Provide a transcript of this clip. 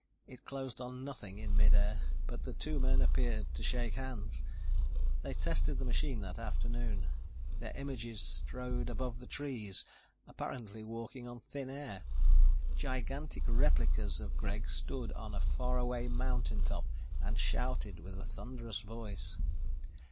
It closed on nothing in mid air, but the two men appeared to shake hands. They tested the machine that afternoon. Their images strode above the trees, apparently walking on thin air. Gigantic replicas of Greg stood on a faraway mountain top and shouted with a thunderous voice.